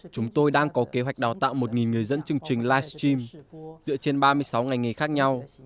chúng tôi đang có kế hoạch đào tạo một người dẫn chương trình livestream dựa trên ba mươi sáu ngành nghề khác nhau